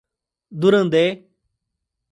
Durandé